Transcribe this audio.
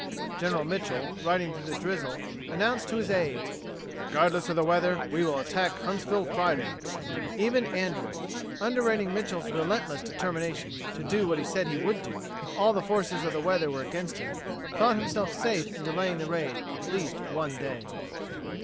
General Mitchel, riding through the drizzle, announced to his aides: "Regardless of the weather, we will attack Huntsville Friday." Even Andrews, underrating Mitchel's relentless determination to do what he said he would do, if all the forces of the weather were against him, thought himself safe in delaying the raid at least one day.